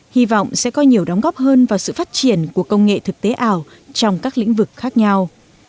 hy vọng sẽ có nhiều đóng góp hơn vào sự phát triển của công nghệ thực tế ảo trong các lĩnh vực khác nhau